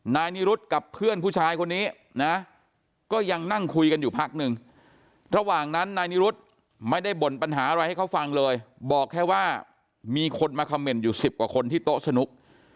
นายนิรุธกับเพื่อนผู้ชายคนนี้นะก็ยังนั่งคุยกันอยู่พักนึงระหว่างนั้นนายนิรุธไม่ได้บ่นปัญหาอะไรให้เขาฟังเลยบอกแค่ว่ามีคนมาคำเมนต์อยู่สิบกว่าคนที่โต๊ะสนุก